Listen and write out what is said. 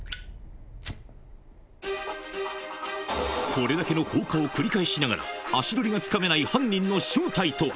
これだけの放火を繰り返しながら足取りがつかめない犯人の正体とは？